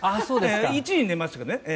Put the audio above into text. １時に寝ましたけどね。